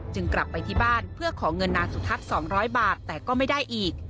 กลับไปที่บ้านเพื่อขอเงินนางสุทัศน์๒๐๐บาทแต่ก็ไม่ได้อีก